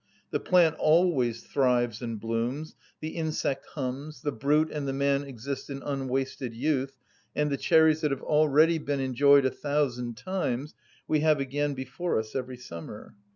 The plant always thrives and blooms, the insect hums, the brute and the man exist in unwasted youth, and the cherries that have already been enjoyed a thousand times we have again before us every summer.